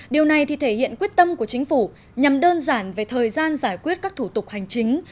điều này thể hiện quyết tâm của chính phủ nhằm đơn giản về thời gian giải quyết các thủ tục hành chính